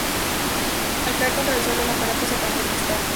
Al caer contra el suelo el aparato se partió en tres partes.